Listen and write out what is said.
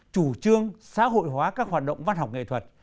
chủ trương xã hội hóa các hoạt động văn học nghệ thuật